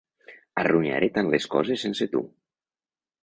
Arruïnaré tant les coses sense tu.